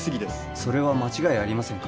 それは間違いありませんか？